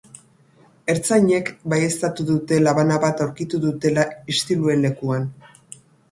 Ertzainek baieztatu dute labana bat aurkitu dutela istiluen lekuan.